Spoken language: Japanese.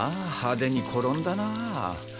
派手に転んだなあ。